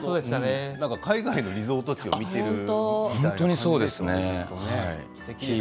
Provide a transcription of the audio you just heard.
海外のリゾート地を見ていたみたいですね。